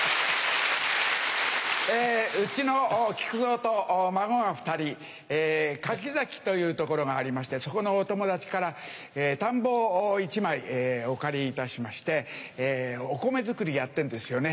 うちの木久蔵と孫が２人柿崎という所がありましてそこのお友達から田んぼを１枚お借りいたしましてお米作りやってんですよね。